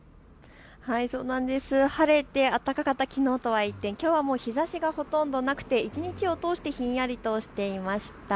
晴れて暖かかったきのうとは一転、きょうはもう日ざしがほとんどなくて一日を通してひんやりとしていました。